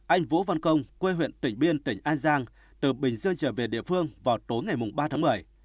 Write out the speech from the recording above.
anh vũ văn công quê huyện tỉnh biên tỉnh an giang từ bình dương trở về địa phương vào tối ngày ba tháng một mươi